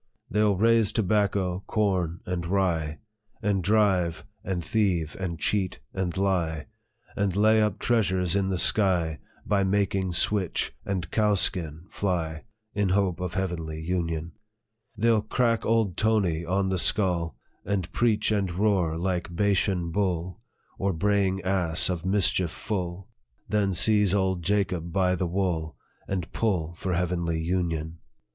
" They 11 raise tobacco, corn, and rye, And drive, and thieve, and cheat, and lie, And lay up treasures in the sky, By making switch and cowskin fly, In hope of heavenly union. They '11 crack old Tony on the skull, And preach and roar like Bashan bull, Or braying ass, of mischief full, Then seize old Jacob by the wool, And pull for heavenly union.